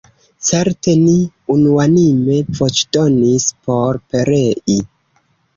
Certe ni unuanime voĉdonis por perei.